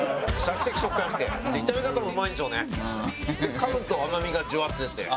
かむと甘みがジュワッと出て。